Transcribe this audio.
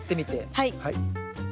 はい。